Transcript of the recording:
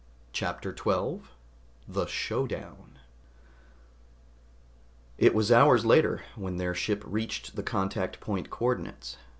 CHAPTER 12 THE SHOWDOWN It was hours later when their ship reached the contact point co ordinates.